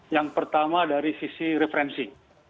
yang pertama dari sisi referensi